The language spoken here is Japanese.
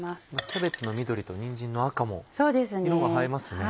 キャベツの緑とにんじんの赤も色も映えますね。